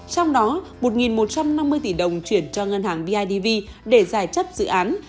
trong đó một một trăm năm mươi tỷ đồng chuyển cho ngân hàng bidv để giải chấp dự án